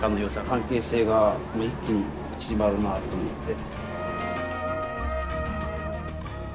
関係性が一気に縮まるなと思って。